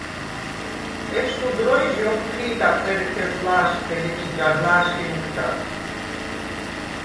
ეშხუ დროჲჟი ოხჴი̄და წერეთელს ლა̄შხთე ლეკი ჯარ ლა̄შხი მჷკდად.